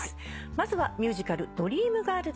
まずはミュージカル『ドリームガールズ』です。